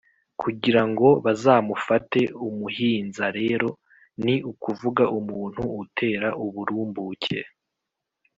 kugirango bazamufate, umuhinza rero, ni ukuvuga umuntu utera uburumbuke,